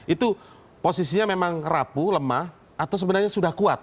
itu posisinya memang rapuh lemah atau sebenarnya sudah kuat